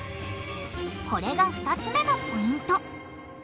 これが２つ目のポイント。